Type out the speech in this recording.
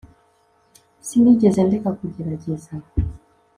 sinigeze ndeka kugerageza